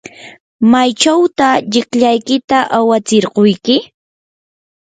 ¿maychawtaq llikllaykita awatsirquyki?